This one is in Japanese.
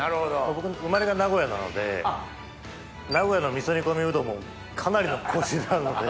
僕生まれが名古屋なので名古屋の味噌煮込みうどんもかなりのコシなので。